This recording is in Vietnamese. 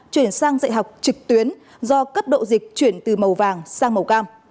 chuyển sang dạy học trực tuyến do cấp độ dịch chuyển từ màu vàng sang màu cam